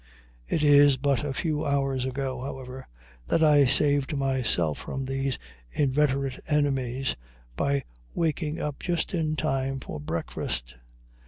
It is but a few hours ago, however, that I saved myself from these inveterate enemies by waking up just in time for breakfast.